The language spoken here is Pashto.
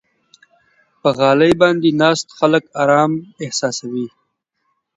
په غالۍ باندې ناست خلک آرام احساسوي.